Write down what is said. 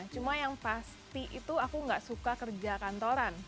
cuma yang pasti itu aku nggak suka kerja kantoran